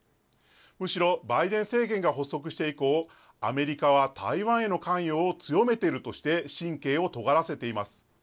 むしろバイデン政権が発足して以降、アメリカは台湾への関与を強めているとして、神経をとがらせています。